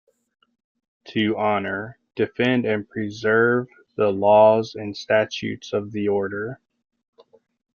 To honour, defend and preserve the laws and statutes of the Order?